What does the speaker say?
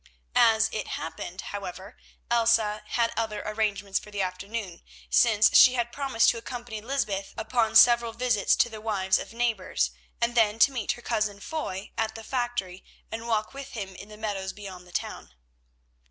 As it happened, however, Elsa had other arrangements for the afternoon, since she had promised to accompany Lysbeth upon several visits to the wives of neighbours, and then to meet her cousin Foy at the factory and walk with him in the meadows beyond the town.